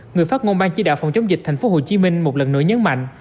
người phát ngôn ban chỉ đạo phòng chống dịch thành phố hồ chí minh một lần nữa nhấn mạnh